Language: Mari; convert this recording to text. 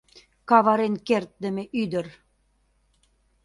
Каварен кертдыме ӱдыр!